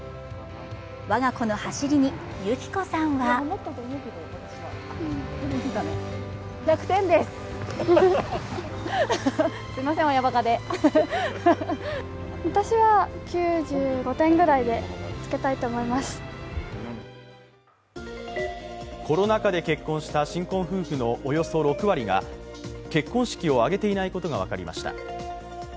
我が子の走りに有紀子さんはコロナ禍で結婚した新婚夫婦のおよそ６割が結婚式を挙げていてないことが分かりました。